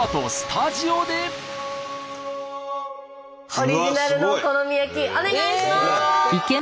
オリジナルのお好み焼きお願いします。